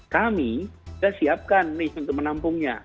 kami sudah siapkan untuk menampungnya